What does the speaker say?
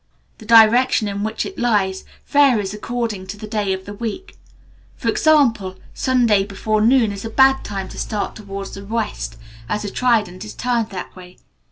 The direction in which it lies, varies according to the day of the week. For example, Sunday before noon is a bad time to start towards the west, as the trident is turned that way.